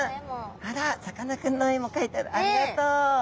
あらさかなクンの絵も描いてあるありがとう！